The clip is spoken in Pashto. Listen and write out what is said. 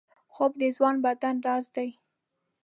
خوب د ځوان بدن راز دی